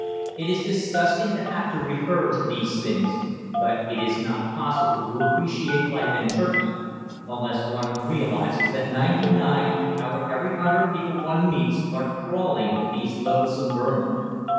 It is disgusting to have to refer to these things, but it is not possible to appreciate life in Turkey unless one realizes that ninety nine out of every hundred people one meets are crawling with these loathsome vermin.